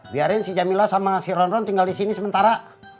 biarin si jamila sama si ron ron tinggal di sini sementara